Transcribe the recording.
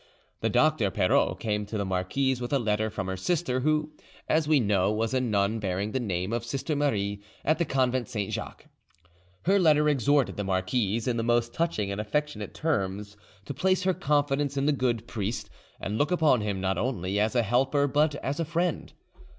The doctor Pirot came to the marquise with a letter from her sister, who, as we know, was a nun bearing the name of Sister Marie at the convent Saint Jacques. Her letter exhorted the marquise, in the most touching and affectionate terms, to place her confidence in the good priest, and look upon him not only as a helper but as a friend.